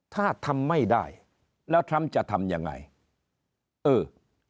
ถ้าทำไม่ได้แล้วทรัมป์จะทำอย่างไร